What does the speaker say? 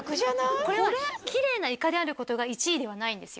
これはきれいなイカであることが１位ではないんですよ